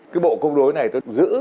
cái bộ câu đối này tôi giữ